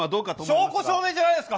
証拠証明じゃないですか。